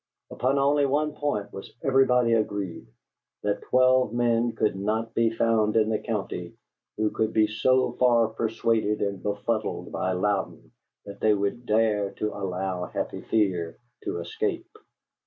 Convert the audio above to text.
Upon only one point was everybody agreed: that twelve men could not be found in the county who could be so far persuaded and befuddled by Louden that they would dare to allow Happy Fear to escape.